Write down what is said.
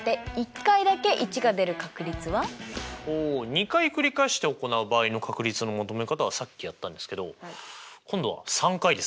２回繰り返して行う場合の確率の求め方はさっきやったんですけど今度は３回ですか。